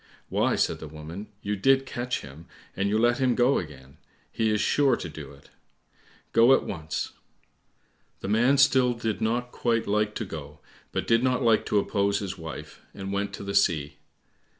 "Why," said the woman, "you did catch him, and you let him go again; he is sure to do it. Go at once." The man still did not quite like to go, but did not like to oppose his wife, and went to the sea.